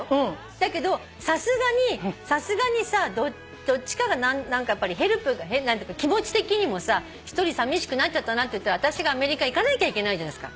だけどさすがにさすがにさどっちかがヘルプ気持ち的にもさ１人さみしくなっちゃったなっていったら私がアメリカ行かなきゃいけないじゃないですか。